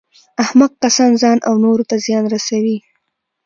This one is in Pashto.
احمق کسان ځان او نورو ته زیان رسوي.